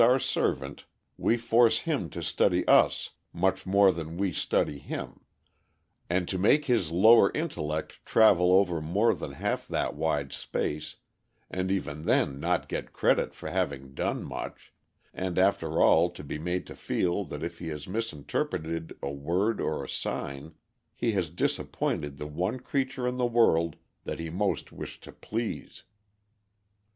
627 our servant we force him to study us much more than we study him, and to make his lower intellect travel over more than half that wide space, and even then not get credit for having done much, and after all to be made to feel that if he has misinterpreted a word or a sign he has disappointed the one creature in the world that he most wished to please.